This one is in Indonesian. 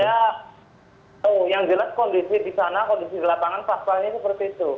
ya yang jelas kondisi di sana kondisi di lapangan pasalnya seperti itu